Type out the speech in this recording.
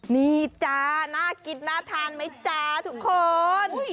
นี่จ้าน่ากินน่าทานไหมจ๊ะทุกคน